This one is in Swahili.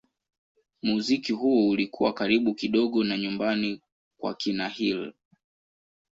Muziki huo ulikuwa karibu kidogo na nyumbani kwa kina Hill.